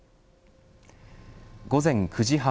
午前９時半